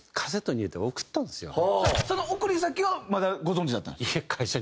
その送り先はまだご存じだったんですか？